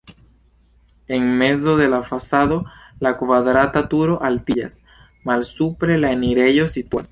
En mezo de la fasado la kvadrata turo altiĝas, malsupre la enirejo situas.